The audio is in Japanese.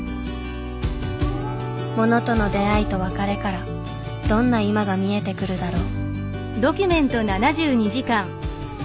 物との出会いと別れからどんな今が見えてくるだろう？